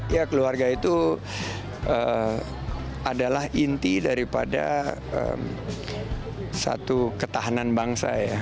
ya keluarga itu adalah inti daripada satu ketahanan bangsa ya